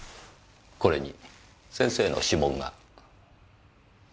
これに先生の指紋が。